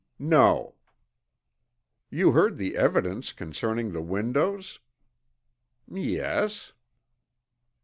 "No." "You heard the evidence concerning the windows?" "Yes."